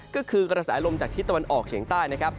ก็คือกระแสลมจากทิศตะวันออกเฉียงใต้นะครับ